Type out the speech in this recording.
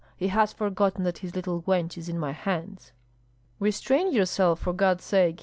He has forgotten that his little wench is in my hands " "Restrain yourself, for God's sake!